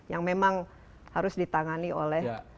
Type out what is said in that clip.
yang memang harus ditangani oleh